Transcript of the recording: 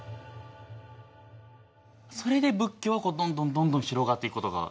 それで仏教はどんどんどんどん広がっていくことができたんですね。